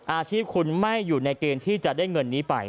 อาชีพคุณไม่อยู่ในเกณฑ์ที่จะได้เงินนี้ไป